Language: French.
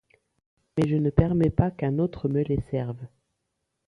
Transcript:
Mais je ne permets pas qu’un autre me les serve.